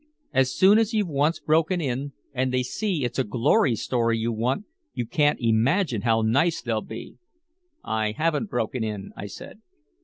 "As soon as you've once broken in, and they see it's a glory story you want, you can't imagine how nice they'll be." "I haven't broken in," I said.